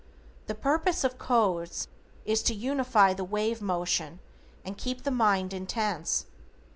The purpose of codes is to unify the wave motion and keep the mind intense.